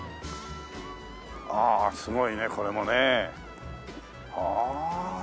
ああすごいねこれもね。はあ。